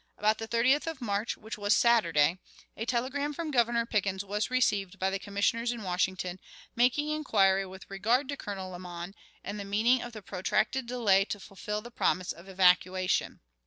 About the 30th of March (which was Saturday) a telegram from Governor Pickens was received by the Commissioners in Washington, making inquiry with regard to Colonel Lamon, and the meaning of the protracted delay to fulfill the promise of evacuation.